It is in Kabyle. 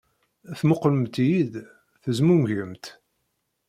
Temmuqqlemt-iyi-d, tezmumgemt.